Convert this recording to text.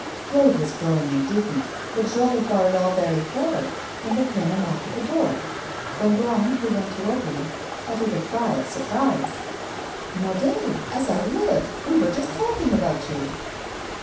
Claude was growing indignant, but Jory thought it all very clever, when there came a knock at the door. Bongrand, who went to open it, uttered a cry of surprise. 'Naudet, as I live! We were just talking about you.